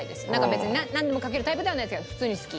別になんでもかけるタイプではないですけど普通に好き。